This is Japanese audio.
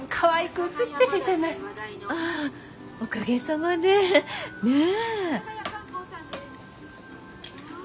あっおかげさまで。ねぇ。